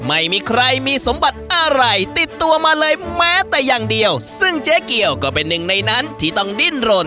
ไม่มีใครมีสมบัติอะไรติดตัวมาเลยแม้แต่อย่างเดียวซึ่งเจ๊เกียวก็เป็นหนึ่งในนั้นที่ต้องดิ้นรน